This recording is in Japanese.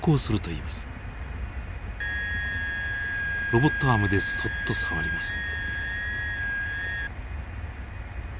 ロボットアームでそっと触ります。